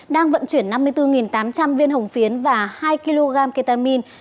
đang vận chuyển năm mươi bốn tám trăm linh viên hồng phiến và hai kg ketamin